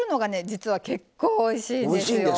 実は結構おいしいんですよ。